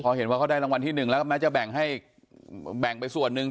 พอเห็นว่าเขาได้รางวัลที่หนึ่งแล้วก็แม้จะแบ่งให้แบ่งไปส่วนหนึ่ง